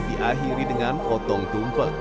diakhiri dengan potong tumpeng